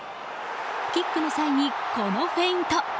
キックの際にこのフェイント。